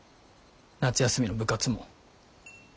夏休みの部活も。